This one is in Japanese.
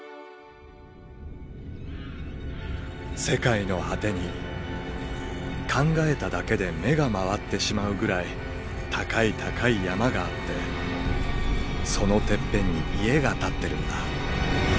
世界の果てに考えただけで目が回ってしまうぐらい高い高い山があってそのてっぺんに家が建ってるんだ。